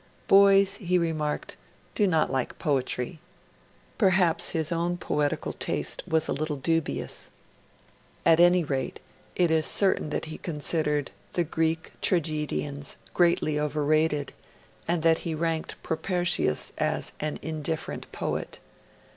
'Boys,' he remarked, 'do not like poetry.' Perhaps his own poetical taste was a little dubious; at any rate, it is certain that he considered the Greek Tragedians greatly overrated, and that he ranked Propertius as 'an indifferent poet'.